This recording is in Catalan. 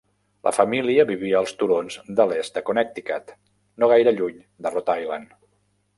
La família vivia als turons de l'est de Connecticut, no gaire lluny de Rhode Island.